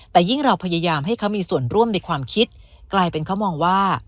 แต่ยิ่งเราพยายามให้เขามีส่วนร่วมในความคิดกลายเป็นเขามองว่า